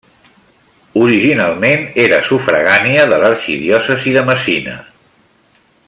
Originalment era sufragània de l'arxidiòcesi de Messina.